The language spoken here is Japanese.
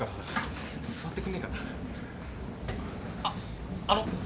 あっあの。